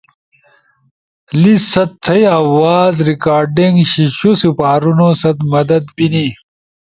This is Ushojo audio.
لیس ست تھئی آواز ریکارڈنگ شیِشو سپارونو ست مدد بی نی